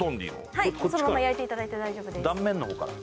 はいそのまま焼いていただいて大丈夫です断面の方から？